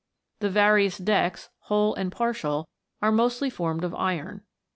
The various decks, whole and partial, are mostly formed of iron.